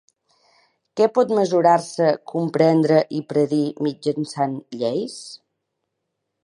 Què pot mesurar-se, comprendre i predir mitjançant lleis?